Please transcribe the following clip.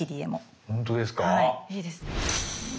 いいですね。